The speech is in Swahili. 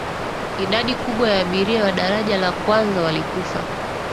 idadi kubwa ya abiria wa daraja la kwanza walikufa